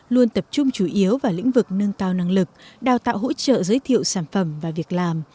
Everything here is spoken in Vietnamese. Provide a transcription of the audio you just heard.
luôn tập trung chủ yếu vào lĩnh vực nâng cao năng lực đào tạo hỗ trợ giới thiệu sản phẩm và việc làm